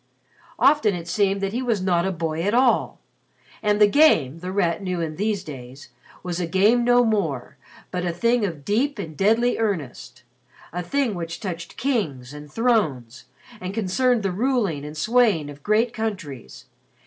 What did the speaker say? Often it seemed that he was not a boy at all. And the Game, The Rat knew in these days, was a game no more but a thing of deep and deadly earnest a thing which touched kings and thrones, and concerned the ruling and swaying of great countries.